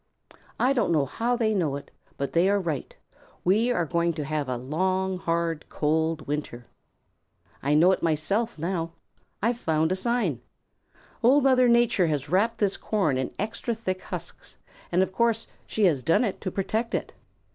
"I don't know how they know it, but they are right; we are going to have a long, hard, cold winter. I know it myself now. I've found a sign. Old Mother Nature has wrapped this corn in extra thick husks, and of course she has done it to protect it.